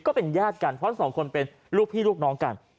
ก็เป็นญาติกันเพราะสองคนเป็นลูกพี่ลูกน้องกัน